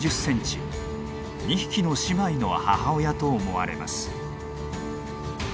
２匹の姉妹の母親と思われます。